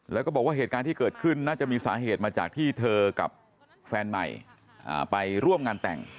แล้วก็บอกว่าเหตุการณ์ที่เกิดขึ้นน่าจะมีสาเหตุมาจากที่เธอกับแฟนใหม่ไปร่วมงานแต่ง